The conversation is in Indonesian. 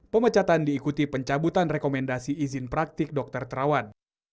pemecatan diikuti pencabutan rekomendasi izin praktik dokter terawan